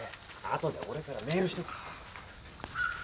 後で俺からメールしとく。